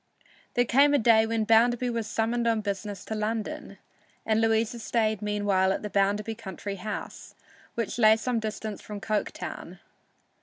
There came a day when Bounderby was summoned on business to London, and Louisa stayed meanwhile at the Bounderby country house, which lay some distance from Coketown.